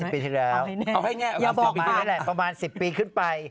ประมาณ๑๐ปีขึ้นไป